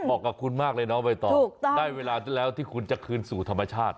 มากกับคุณเลยเอาได้เวลาแล้วที่คุณจะคืนสู่ธรรมชาติ